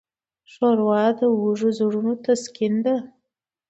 ښوروا د وږو زړونو تسکین ده.